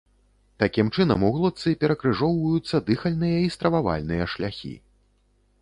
Такім чынам, у глотцы перакрыжоўваюцца дыхальныя і стрававальныя шляхі.